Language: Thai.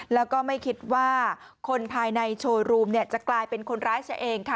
แล้วก็ไม่คิดว่าคนภายในโชว์รูมจะกลายเป็นคนร้ายซะเองค่ะ